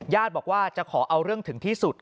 บอกว่าจะขอเอาเรื่องถึงที่สุด